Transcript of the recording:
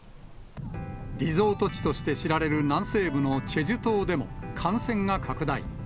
リゾート地として知られる南西部のチェジュ島でも、感染が拡大。